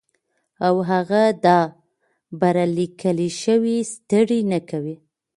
او هغه دا بره ليکلے شوي ستړې نۀ کوي